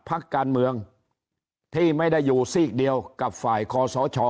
พักการเมืองที่ไม่ได้อยู่ซีกเดียวกับฝ่ายคอสช